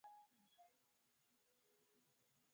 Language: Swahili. unga lishe unakua tayari kutumia